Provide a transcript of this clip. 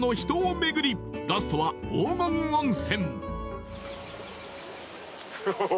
巡りラストは黄金温泉